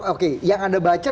oke yang anda baca